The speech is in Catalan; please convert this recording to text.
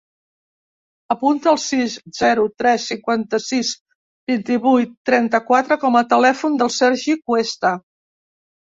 Apunta el sis, zero, tres, cinquanta-sis, vint-i-vuit, trenta-quatre com a telèfon del Sergi Cuesta.